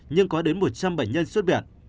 nhưng có đến một trăm linh bệnh nhân xuất biệt